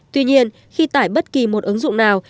tuy nhiên khi tải bất kỳ một ứng dụng nào